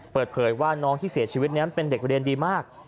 เปิดเผยว่าน้องที่เสียชีวิตนั้นเป็นเด็กเรียนดีมาก